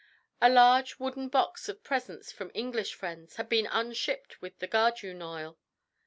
A large wooden box of presents from English friends, had been unshipped with the gurjun oil.